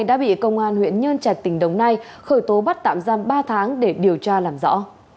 đã bị công an huyện nhân trạch tỉnh đồng nai khởi tố bắt tạm giam ba tháng để điều tra làm rõ